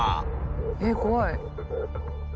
えっ怖い。